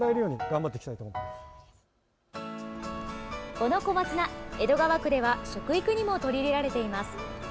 この小松菜、江戸川区では食育にも取り入れられています。